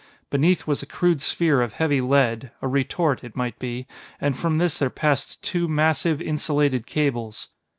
Beneath was a crude sphere of heavy lead a retort, it might be and from this there passed two massive, insulated cables.